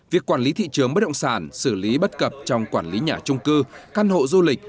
việc quản lý thị trường bất động sản xử lý bất cập trong quản lý nhà trung cư căn hộ du lịch